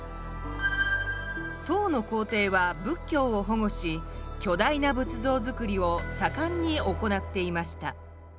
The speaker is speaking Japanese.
唐の皇帝は仏教を保護し巨大な仏像造りをさかんに行っていました。